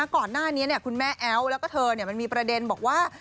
ก่อนหน้านี้คุณแม่แอ๊วแล้วก็เธอมันมีประเด็นบอกว่า